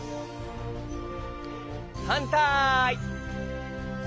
はんたい。